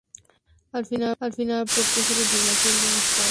Al final, propuso la formación de un estado árabe bajo el mandato británico.